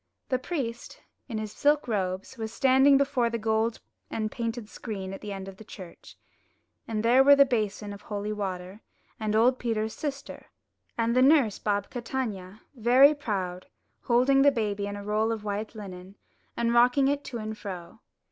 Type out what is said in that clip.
The priest, in his silk robes, was standing before the gold and painted screen at the end of the church, and there were the basin of holy water, and old Peter's sister, and the nurse Babka Tanya, very proud, holding the baby in a roll of white linen, and rocking 226 UP ONE PAIR OF STAIRS it to and fro.